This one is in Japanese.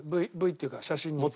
Ｖっていうか写真に。